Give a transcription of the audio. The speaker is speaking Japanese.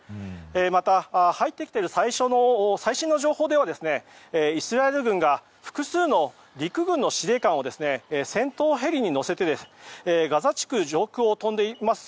また、入ってきている最新の情報ではイスラエル軍が複数の陸軍の司令官を戦闘ヘリに乗せてガザ地区上空を飛んでいます。